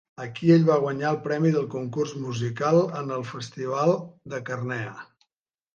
Aquí ell va guanyar el premi del concurs musical en el festival de Carnea.